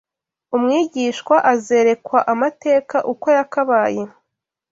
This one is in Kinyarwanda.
umwigishwa azerekwa amateka uko yakabaye